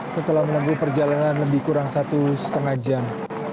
setelah menempuh perjalanan lebih kurang satu setengah jam